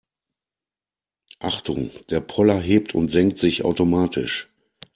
Achtung, der Poller hebt und senkt sich automatisch.